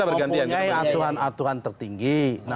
mempunyai aturan aturan tertinggi